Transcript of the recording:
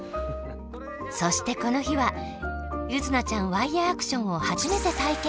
そしてこの日は柚凪ちゃんワイヤーアクションをはじめて体験。